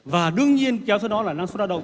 và đương nhiên kéo sau đó là năng số đa động